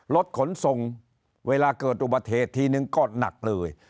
รถขนส่งเวลาเกิดอุบัติเหตุทีนึงก็หนักเลย